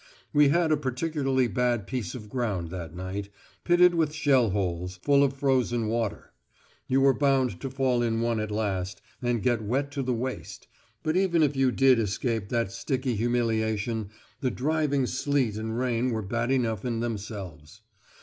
We had a particularly bad piece of ground that night, pitted with shell holes, full of frozen water: you were bound to fall in one at last, and get wet to the waist; but even if you did escape that sticky humiliation, the driving sleet and rain were bad enough in themselves.